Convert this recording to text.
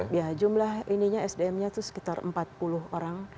dan jumlah sdm nya itu sekitar empat puluh orang